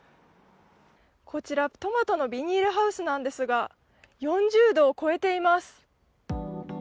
こちらトマトのビニールハウスなんですが、４０度を超えています。